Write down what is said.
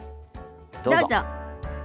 どうぞ。